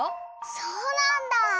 そうなんだ！